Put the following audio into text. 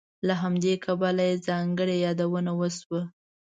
له همدې کبله یې ځانګړې یادونه وشوه.